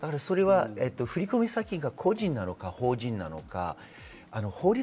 振り込み先が個人なのか法人なのか。